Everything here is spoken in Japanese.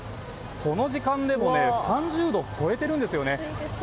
この時間でも３０度を超えているんですね。